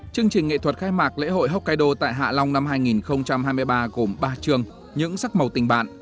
chương trình nghệ thuật khai mạc lễ hội hokkaido tại hạ long năm hai nghìn hai mươi ba gồm ba trường những sắc màu tình bạn